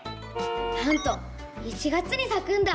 なんと１月にさくんだ。